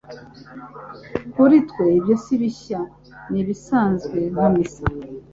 Kuritwe ibyo sibishya nibisanzwe nka misa